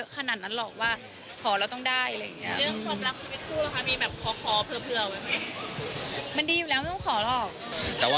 ขอแต่เงินอย่างเดียวเลยค่ะ